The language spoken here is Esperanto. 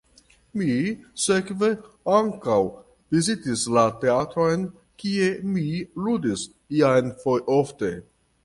Mi sekve ankaŭ vizitis la teatron, kie mi ludis jam ofte.